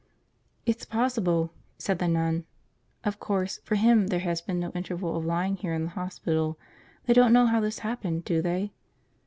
"It's possible," said the nun. "Of course, for him there has been no interval of lying here in the hospital. They don't know how this happened, do they?"